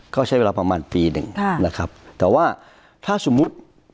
ก็ใช้เวลาประมาณปีหนึ่งนะครับแต่ว่าถ้าสมมุติ